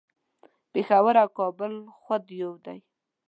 پیښور او کابل خود یو دي